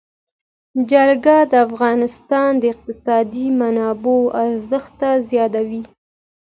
جلګه د افغانستان د اقتصادي منابعو ارزښت زیاتوي.